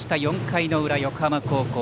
４回の裏、横浜高校。